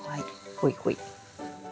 ほいほい。